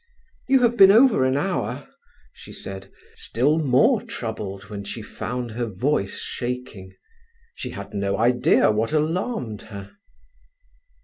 "You have been over an hour," she said, still more troubled when she found her voice shaking. She had no idea what alarmed her.